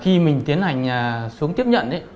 thì khi mình tiến hành xuống tiếp nhận